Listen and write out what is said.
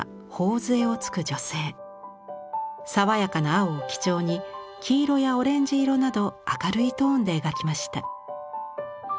爽やかな青を基調に黄色やオレンジ色など明るいトーンで描きました。